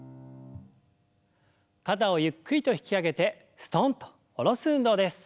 肩をゆっくりと引き上げてすとんと下ろす運動です。